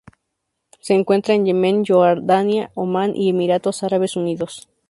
Se encuentra en Yemen Jordania Omán y Emiratos Árabes Unidos.